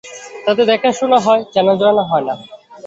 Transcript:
তাতে দেখাশোনা হয়, চেনাশোনা হয় না।